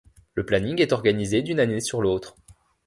Le planning est organisé d'une année sur l'autre.